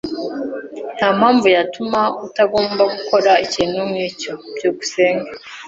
Ntampamvu yatuma utagomba gukora ikintu nkicyo. byukusenge